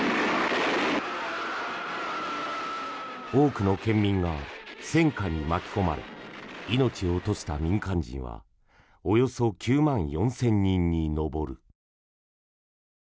多くの県民が戦渦に巻き込まれ命を落とした民間人はおよそ９万４０００人に上る。